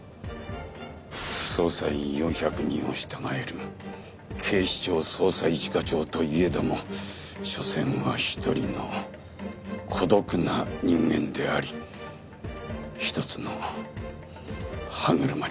捜査員４００人を従える警視庁捜査一課長といえどもしょせんは一人の孤独な人間であり一つの歯車にすぎん。